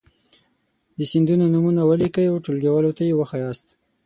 د سیندونو نومونه ولیکئ او ټولګیوالو ته یې وښایاست.